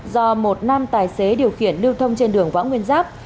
một sáu chín bảy năm do một nam tài xế điều khiển lưu thông trên đường võ nguyên giáp